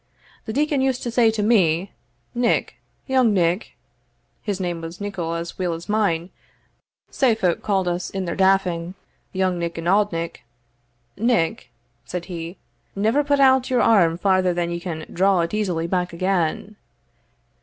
The deacon used to say to me, 'Nick young Nick' (his name was Nicol as weel as mine; sae folk ca'd us in their daffin', young Nick and auld Nick) 'Nick,' said he, 'never put out your arm farther than ye can draw it easily back again.'